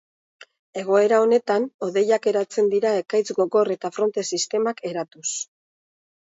Egoera honetan, hodeiak eratzen dira ekaitz gogor eta fronte-sistemak eratuz.